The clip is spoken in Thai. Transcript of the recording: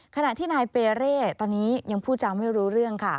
ขณะที่นายเปเร่ตอนนี้ยังพูดจาไม่รู้เรื่องค่ะ